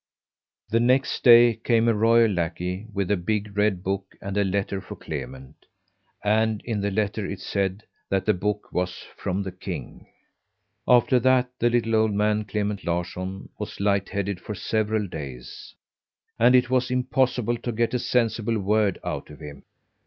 The next day came a royal lackey with a big red book and a letter for Clement, and in the letter it said that the book was from the King. After that the little old man, Clement Larsson, was lightheaded for several days, and it was impossible to get a sensible word out of him.